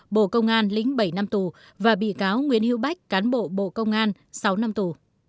bộ công an lĩnh bảy năm tù và bị cáo nguyễn hiễu bách cán bộ bộ công an sáu năm tù